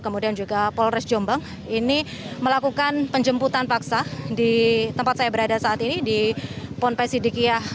kemudian juga polres jombang ini melakukan penjemputan paksa di tempat saya berada saat ini di ponpes sidikiah